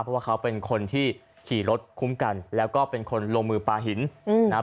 เพราะว่าเขาเป็นคนที่ขี่รถคุ้มกันแล้วก็เป็นคนลงมือปลาหินนะครับ